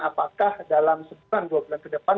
apakah dalam sebulan dua bulan ke depan